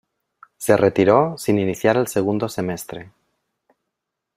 Se retiró sin iniciar el segundo semestre.